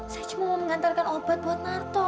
saya cuma mau mengantarkan obat buat narto